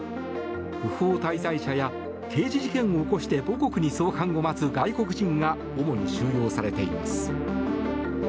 不法滞在者や刑事事件を起こして母国に送還を待つ外国人が主に収容されています。